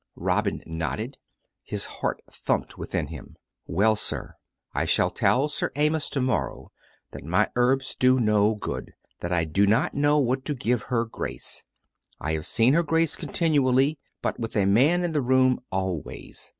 Robin nodded. His heart thumped within him. "Well, sir; I shall tell Sir Amyas to morrow that my herbs do no good — that I do not know what to give her Grace. I have seen her Grace continually, but with a man in the room always.